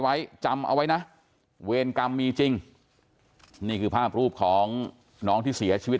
ไว้จำเอาไว้นะเวรกรรมมีจริงนี่คือภาพรูปของน้องที่เสียชีวิต